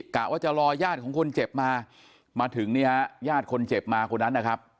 กะว่าจะรอยาดของคนเจ็บมามาถึงยาดคนเจ็บมาคนนั้นนะครับ